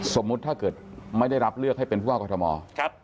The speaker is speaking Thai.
สมมุติถ้าเกิดไม่ได้รับเลือกให้เป็นผู้ว่ากรทม